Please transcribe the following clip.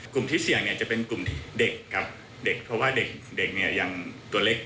กลุ่มที่เสี่ยงเนี่ยจะเป็นกลุ่มเด็กกับเด็กเพราะว่าเด็กเนี่ยยังตัวเล็ก